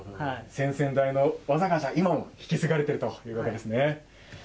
先々代の技が今も引き継がれているということですね。